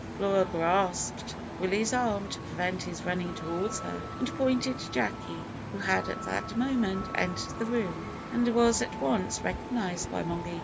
(Flora grasped Willie's arm to prevent his running towards her, and pointed to Jacky, who had at that moment entered the room, and was at once recognised by Moggy.)